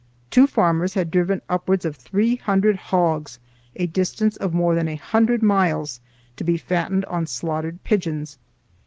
Two farmers had driven upwards of three hundred hogs a distance of more than a hundred miles to be fattened on slaughtered pigeons.